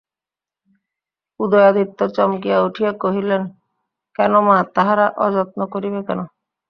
উদয়াদিত্য চমকিয়া উঠিয়া কহিলেন, কেন মা, তাহারা অযত্ন করিবে কেন?